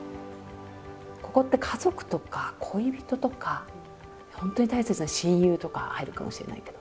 ここって家族とか恋人とか本当に大切な親友とか入るかもしれないけど。